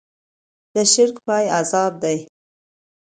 د شرک پای عذاب دی.